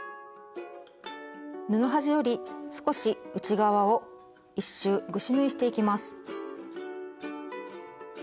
布端より少し内側を１周ぐし縫いしていきます。